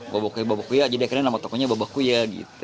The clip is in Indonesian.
babahkuya babahkuya jadi akhirnya nama tokonya babahkuya gitu